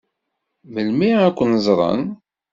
Melmi ad ken-ẓṛen?